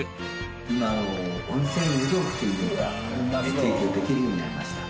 今温泉湯豆腐というのが提供できるようになりました。